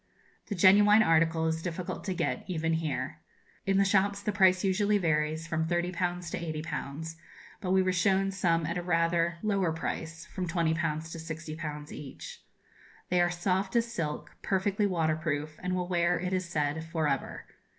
The genuine article is difficult to get, even here. In the shops the price usually varies from 30_l_. to 80_l_.; but we were shown some at a rather lower price from 20_l_. to 60_l_. each. They are soft as silk, perfectly waterproof, and will wear, it is said, for ever.